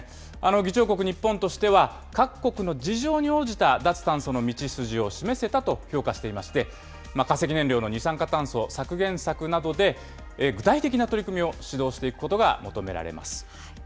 議長国、日本としては、各国の事情に応じた脱炭素の道筋を示せたと評価していまして、化石燃料の二酸化炭素削減策などで、具体的な取り組みを主導していくことが求められます。